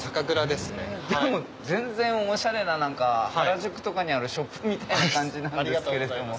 でも全然オシャレな何か原宿とかにあるショップみたいな感じなんですけれども。